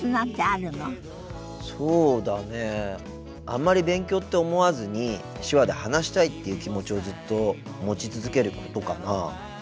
あんまり勉強って思わずに手話で話したいっていう気持ちをずっと持ち続けることかな。